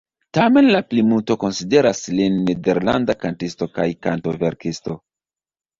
Tamen la plimulto konsideras lin nederlanda kantisto kaj kantoverkisto.